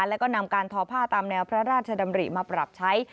แล้วก็นำการทอผ้าตามแนวพระราชดำริมาปรับใช้